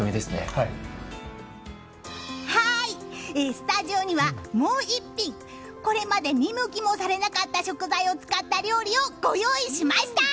スタジオにはもう１品これまで見向きもされなかった食材を使った料理をご用意しました！